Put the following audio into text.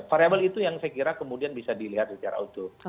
variable itu yang saya kira kemudian bisa dilihat secara utuh